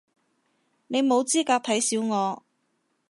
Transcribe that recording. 你冇資格睇小我